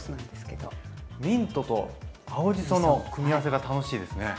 ミントと青じその組み合わせが楽しいですね。